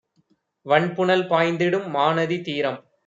வண்புனல் பாய்ந்திடும் மாநதி தீரம்